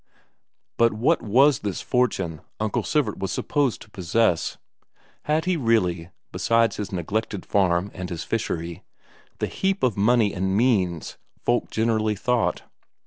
But what was this fortune Uncle Sivert was supposed to possess? Had he really, besides his neglected farm and his fishery, the heap of money and means folk generally thought?